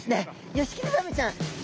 ヨシキリザメちゃん。